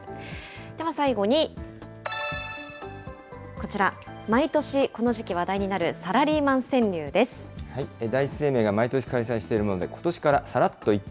では最後に、こちら、毎年この時期話題になるサラリーマン川柳で第一生命が毎年開催しているもので、ことしからサラっと一句！